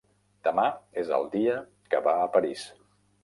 Demà és el dia que va a París.